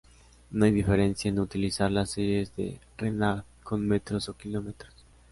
No hay diferencia en utilizar las series de Renard con metros o kilómetros.